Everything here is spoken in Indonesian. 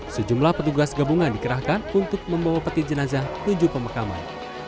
sejumlah petugas gabungan dikerahkan untuk membawa peti jenazah menuju pemakaman